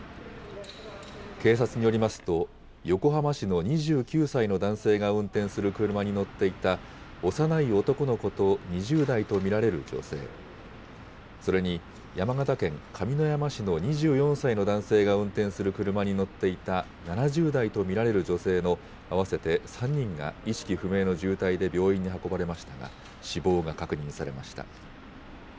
警察によりますと、横浜市の２９歳の男性が運転する車に乗っていた幼い男の子と２０代と見られる女性、それに山形県上山市の２４歳の男性が運転する車に乗っていた７０代と見られる女性の合わせて３人が意識不明の重体で病院に運ばれましたが、死亡が確認されました。